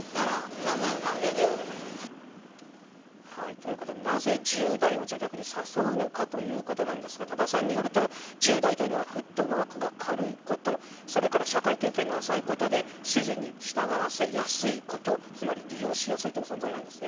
ということで、なぜ１０代を誘うのかということですが多田さんによると１０代はフットワークが軽いことそれから社会経験が浅いことで指示に従わせやすいことつまり利用しやすいという存在なんです。